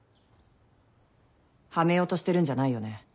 はめようとしてるんじゃないよね？